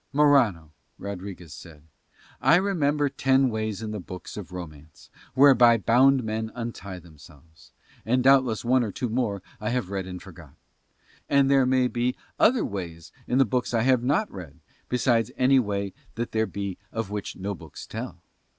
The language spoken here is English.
"Morano," Rodriguez said, "I remember ten ways in the books of romance whereby bound men untie themselves; and doubtless one or two more I have read and forgot; and there may be other ways in the books that I have not read, besides any way that there be of which no books tell.